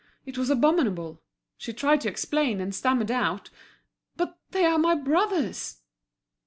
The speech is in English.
It was abominable; she tried to explain, and stammered out: "But they are my brothers!"